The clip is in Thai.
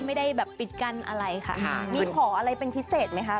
ไม่ได้แบบปิดกั้นอะไรค่ะมีขออะไรเป็นพิเศษไหมคะ